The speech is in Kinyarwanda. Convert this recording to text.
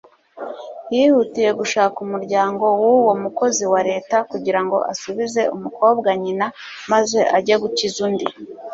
Yihutiye gushaka umuryango w'uwo mukozi wa Leta kugira ngo asubize umukobwa nyina maze ajye gukiza undi.